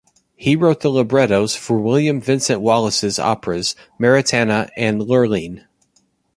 He wrote the librettos for William Vincent Wallace's operas "Maritana" and "Lurline".